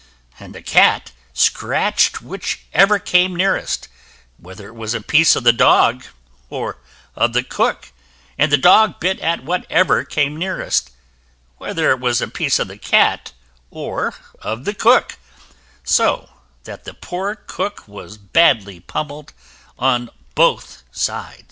And the cat scratched whichever came nearest, whether it was a piece of the dog or of the cook, and the dog bit at whatever came nearest, whether it was a piece of the cat or of the cook, so that the poor cook was badly pummelled on both sides.